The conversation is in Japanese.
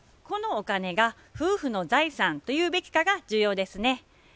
このお金が夫婦の財産と言うべきかが重要ですね。